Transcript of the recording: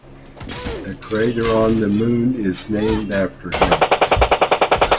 A crater on the Moon is named after him.